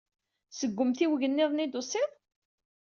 Seg umtiweg niḍen ay d-tusid?